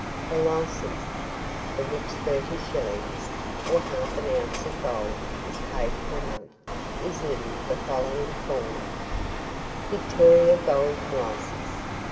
The licence, (for which thirty shillings, or half an ounce of gold, is paid per month) is in the following form: VICTORIA GOLD LICENCE.